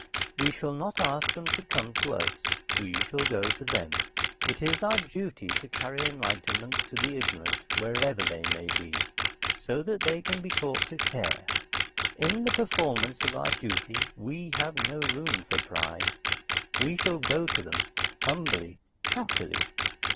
"We shall not ask them to come to us. We shall go to them. It is our duty to carry enlightenment to the ignorant, wherever they may be, so that they can be taught to care. In the performance of our duty, we have no room for pride. We shall go to them, humbly, happily."